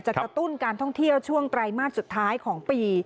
กระตุ้นการท่องเที่ยวช่วงไตรมาสสุดท้ายของปี